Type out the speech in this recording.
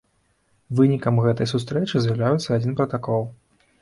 Вынікам гэтай сустрэчы з'яўляецца адзін пратакол.